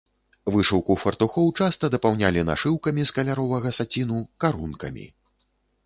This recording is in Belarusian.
Вышыўку фартухоў часта дапаўнялі нашыўкамі з каляровага саціну, карункамі.